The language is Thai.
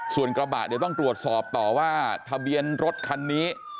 ส่วนกระบะเดี๋ยวต้องตรวจสอบต่อว่าทะเบียนรถคันนี้